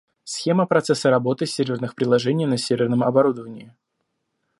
Схема процесса работы серверных приложений на серверном оборудовании